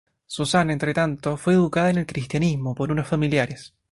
Susana, entre tanto, fue educada en el cristianismo por unos familiares.